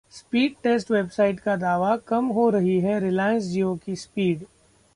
speed test website का दावा- कम हो रही है रिलायंस जियो की स्पीड